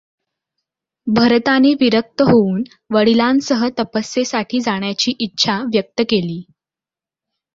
भरताने विरक्त होवून वडिलांसह तपस्येसाठी जाण्याची इच्छा व्यक्त केली.